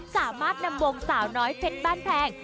สามารถนำวงสาวน้อยเพชรบ้านแพง